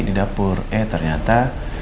di dapur eh ternyata